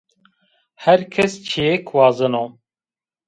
Her kes çîyêk wazeno